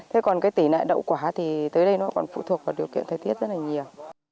thế còn cái tỷ lệ đậu quả thì tới đây nó còn phụ thuộc vào điều kiện thời tiết rất là nhiều